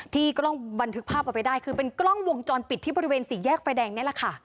กล้องบันทึกภาพเอาไว้ได้คือเป็นกล้องวงจรปิดที่บริเวณสี่แยกไฟแดงนี่แหละค่ะ